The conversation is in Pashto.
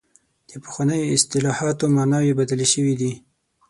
د پخوانیو اصطلاحاتو معناوې بدلې شوې دي.